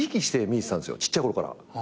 ちっちゃいころから。